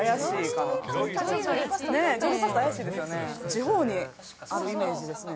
地方にあるイメージですね。